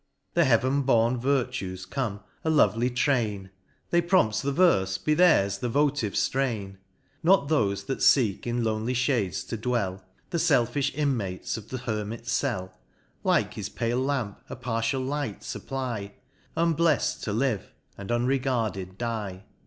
— The Heav'n born Virtues come, — a lovely train ; They prompt the verfe, — be theirs the votive ftrain. —Not thofe that feek in lonely Ihades to dwell, The felfifli inmates of the hermit's cell ; Like his pale lamp, a partial light fupply, Unbleft to live, and unregarded die ; D But 22 MOUNT PLEASANT.